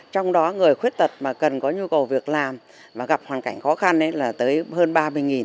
trong đó người khuyết tật mà cần có nhu cầu việc làm mà gặp hoàn cảnh khó khăn là tới hơn ba mươi